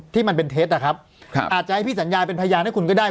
ที่มันเป็นเท็จนะครับอาจจะให้พี่สัญญาเป็นพยานให้คุณก็ได้